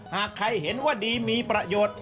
หากใครเห็นว่าดีมีประโยชน์